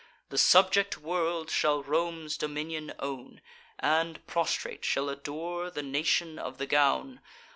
The subject world shall Rome's dominion own, And, prostrate, shall adore the nation of the gown.